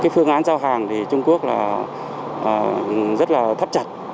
phương án giao hàng trung quốc rất thấp chặt